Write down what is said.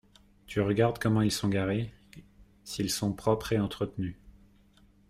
Tu regardes comment ils sont garés, s’ils sont propres et entretenus